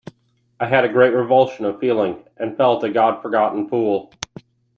I had a great revulsion of feeling, and felt a God-forgotten fool.